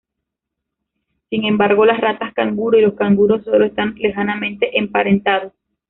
Sin embargo, las ratas canguro y los canguros solo están lejanamente emparentados.